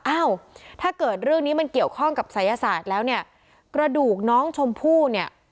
อ้าวถ้าเกิดเรื่องนี้มันเกี่ยวข้องกับศัยศาสตร์แล้วเนี่ยกระดูกน้องชมพู่เนี่ย